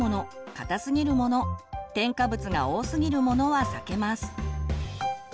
硬すぎるもの添加物が多すぎるものは避けます。